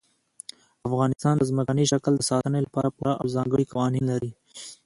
افغانستان د ځمکني شکل د ساتنې لپاره پوره او ځانګړي قوانین لري.